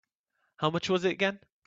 How much was it again?